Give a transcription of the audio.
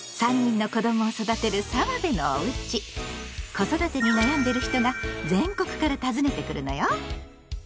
子育てに悩んでる人が全国から訪ねてくるのよ。